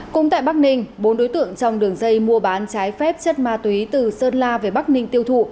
cũng tại bắc ninh bốn đối tượng trong đường dây mua bán trái phép chất ma túy từ sơn la về bắc ninh tiêu thụ